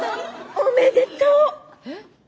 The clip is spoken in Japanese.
おめでとう。